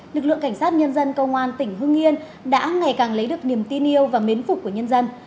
lực lượng cảnh sát nhân dân công an tỉnh hưng yên đã ngày càng lấy được niềm tin yêu và mến phục của nhân dân